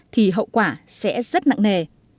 thì hậu quả sẽ rất nặng nề